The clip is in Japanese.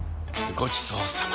ごちそうさま！